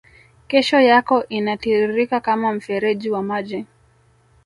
kesho yako inatiririka kama mfereji wa maji